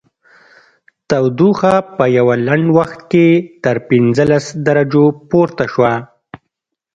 تودوخه په یوه لنډ وخت کې تر پنځلس درجو پورته شوه